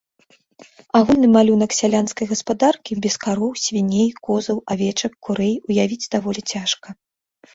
Агульны малюнак сялянскай гаспадаркі без кароў, свіней, козаў, авечак, курэй уявіць даволі цяжка.